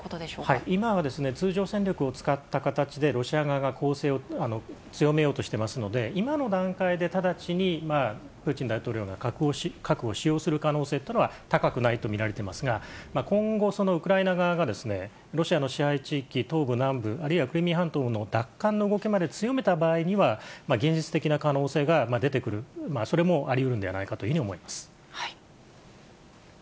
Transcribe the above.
今は、通常戦力を使った形でロシア側が攻勢を強めようとしていますので、今の段階で、直ちにプーチン大統領が核を使用する可能性というのは高くないと見られていますが、今後、そのウクライナ側が、ロシアの支配地域、東部、南部、あるいはクリミア半島の奪還の動きまで強めた場合には、現実的な可能性が出てくる、それもありうるんではないかというふうに思います。